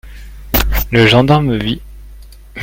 Le gendarme me vit.